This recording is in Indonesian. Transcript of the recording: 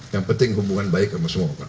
yang penting hubungan baik sama semua pak